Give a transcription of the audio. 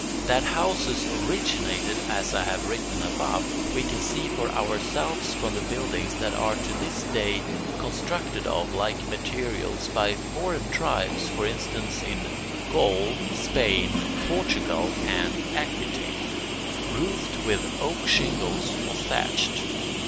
That houses originated as I have written above, we can see for ourselves from the buildings that are to this day constructed of like materials by foreign tribes: for instance, in Gaul, Spain, Portugal, and Aquitaine, roofed with oak shingles or thatched.